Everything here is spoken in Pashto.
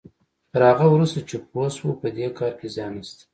تر هغه وروسته چې پوه شو په دې کار کې زيان نشته.